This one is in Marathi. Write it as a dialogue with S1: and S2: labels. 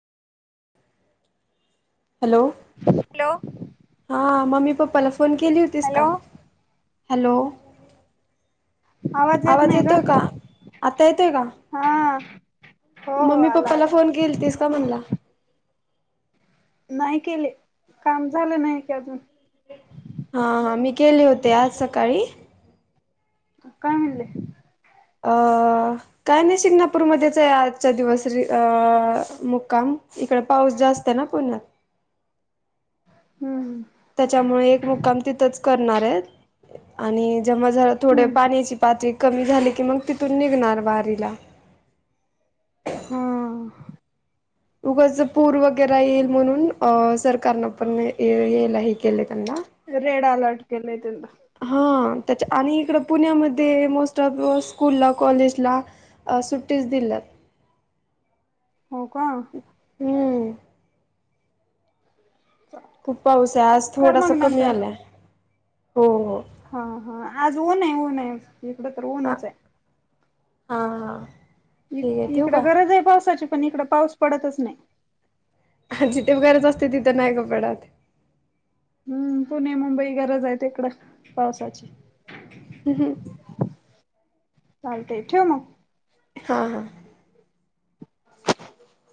S1: हॅलो
S2: हॅलो
S1: हा मम्मी पप्पाला फोन केली होतीस
S2: हॅलो
S1: का हॅलो आवाज येतोय का आता येतोय का
S2: हा हो हो
S1: मम्मी
S2: आला
S1: पप्पाला
S2: आला
S1: फोन केल तस का म्हणला
S2: नाही केले काम झालं नाही काी अजून
S1: हा हा मी केले होते आज सकाळी
S2: काय म्हणले
S1: अ काय नाही शिंगणापूरमध्येच आहे आजच्या दिवस र अ मुक्काम इकड पाऊस जास्त आहे ना पुण्यात
S2: हम्म हम
S1: त्याच्यामुळे एक मुक्काम तिथंच करणार आहे आणि जेव्हा जरा थोडे
S2: हम्म
S1: पाण्याची पातळी कमी झाली की मग तिथून निघणार वारीला
S2: हम
S1: उगाच पूर वगैरे येईल म्हणून अ सरकारनं पण येल हे केले त्यांना
S2: रेड अलर्ट केले तल
S1: हा त्याच्या आणि इकड पुण्यामध्ये मोस्ट ऑफ स्कूलला कॉलेजला सुट्टीस दिल्यात
S2: हो का
S1: हम्म खूप पाऊस आहे आज
S2: कर
S1: थोडासा
S2: मग
S1: कमी
S2: नंतर
S1: आलाय हो हो
S2: हा हा आज ओन आहे ऊन आहे इकडं तर ऊनच आहे
S1: हा ह
S2: इकड गरज आहे पावसाची पण इकड पाऊस पडतच नाही
S1: जिथे वगैरेच असते तिथे नाही कपडात
S2: हम्म पुणे मुंबई गरज आहे इकड पावसाची
S1: हम हं
S2: चालतय ठेव मग
S1: हा हा
S2: [inaudible]